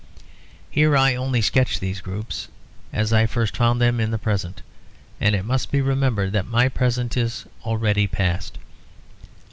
Here I only sketch these groups as I first found them in the present; and it must be remembered that my present is already past.